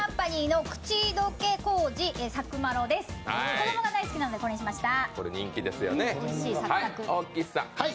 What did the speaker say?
子供が大好きなのでこれにしました。